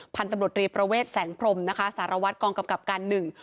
พันธุ์ตำรวจรีประเวทแสงพรมนะคะสารวัตรกองกำกับการหนึ่ง